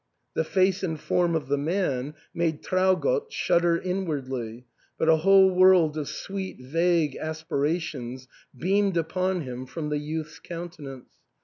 The face and form of the man made Traugott shudder inwardly, but a whole world of sweet vague aspirations beamed upon him from the youth's countenance.